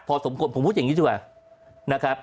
พอสมควรผมพูดอย่างนี้ดีกว่านะครับ